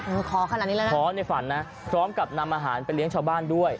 ขอขนาดนี้เลยนะขอในฝันนะพร้อมกับนำอาหารไปเลี้ยงชาวบ้านด้วย